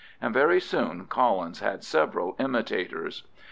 And very soon Collins had several imitators.